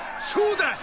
そうだ！